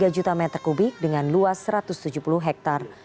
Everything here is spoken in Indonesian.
tiga juta meter kubik dengan luas satu ratus tujuh puluh hektare